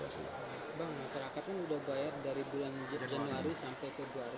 bang masyarakat kan sudah bayar dari bulan januari sampai februari